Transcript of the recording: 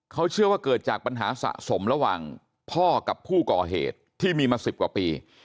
เขาเชื่อว่าเกิดจากปัญหาสะสมระหว่างพ่อกับผู้ก่อเหตุที่มีมา๑๐กว่าปี